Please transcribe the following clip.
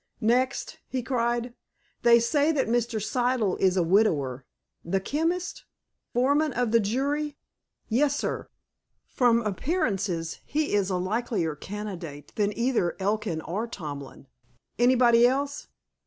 "Next?" he cried. "They say that Mr. Siddle is a widower." "The chemist? Foreman of the jury?" "Yes, sir." "From appearances, he is a likelier candidate than either Elkin or Tomlin. Anybody else?"